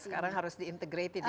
sekarang harus diintegrated